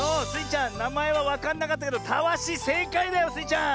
ちゃんなまえはわかんなかったけどタワシせいかいだよスイちゃん！